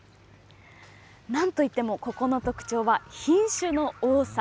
なんといってもここの特徴は、品種の多さ。